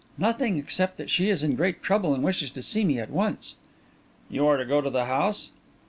"Nothing except that she is in great trouble, and wishes to see me at once." "You are to go to the house?"